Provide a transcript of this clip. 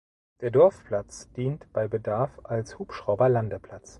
Der Dorfplatz dient bei Bedarf als Hubschrauberlandeplatz.